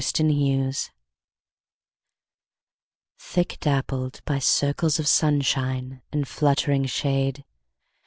A Bather THICK dappled by circles of sunshine and fluttering shade.